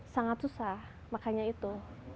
sangat susah makanya itu